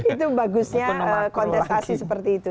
itu bagusnya kontestasi seperti itu